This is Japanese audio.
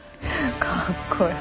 かっこよ。